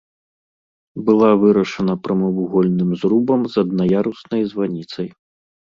Была вырашана прамавугольным зрубам з аднаяруснай званіцай.